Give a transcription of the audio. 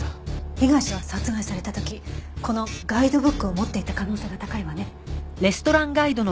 被害者は殺害された時このガイドブックを持っていた可能性が高いわね。